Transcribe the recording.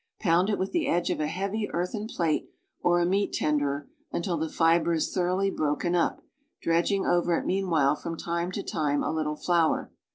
Pound it with the edge of a lieavy earthen plate (or a meat tenderer) until the fibre is thoroughly broken up. dredging over it meanwhile from time to time a little flour.